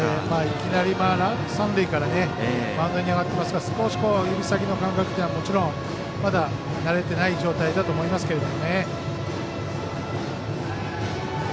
いきなり三塁からマウンドに上がって少し指先の感覚というのはまだ慣れていない状態だと思いますけど。